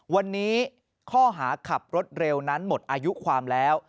วันนี้ข้อหาขับรถเร็วนั้นหมดอายุความแล้ว